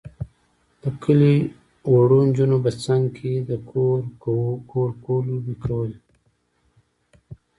د کلي وړو نجونو به څنګ کې د کورکو لوبې کولې.